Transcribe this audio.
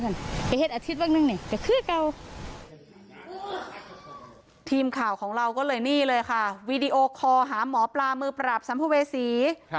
นี่เลยค่ะวิดีโอคอร์หาหมอปลามือปราบสัมภเวษี